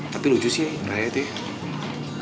tapi lucu sih ngeraya itu ya